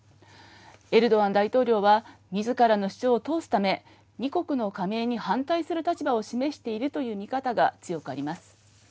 エルドアン大統領はみずからの主張を通すため２国の加盟に反対する立場を示しているという見方が強くあります。